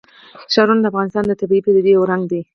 ښارونه د افغانستان د طبیعي پدیدو یو رنګ دی.